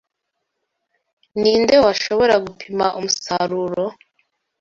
Ni nde washobora gupima umusaruro